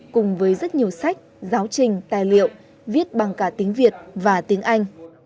cùng với rất nhiều sách giáo trình tài liệu viết bằng cả tiếng việt và tiếng anh